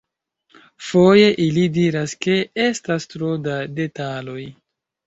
Foje, ili diras ke estas tro da detaloj.